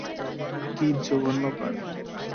কী জঘন্য প্রাণী!